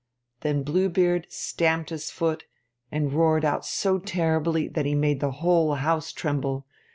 Then Blue Beard stamped his foot and roared out so terribly that he made the whole house tremble.